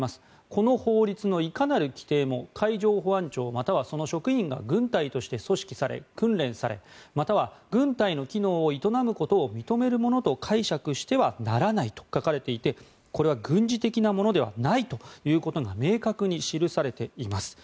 この法律のいかなる規定も海上保安庁またはその職員が軍隊として組織され、訓練されまたは軍隊の機能を営むことを認めるものと解釈してはならないと書かれていてこれは軍事的なものではないと明確に示されています。